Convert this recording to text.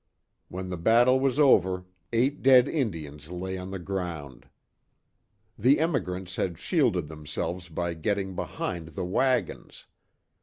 When the battle was over, eight dead Indians lay on the ground. The emigrants had shielded themselves by getting behind the wagons.